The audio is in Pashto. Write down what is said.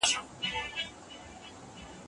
ملکیت باید له شرعي لاري ترلاسه سي.